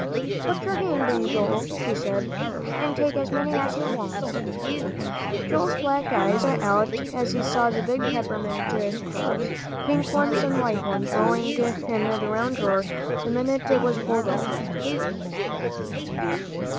"Put your hand in, Joel," she said, "and take as many's you want." Joel's black eyes stuck out as he saw the big peppermint drops, pink ones and white ones, rolling round in the drawer the minute it was pulled open.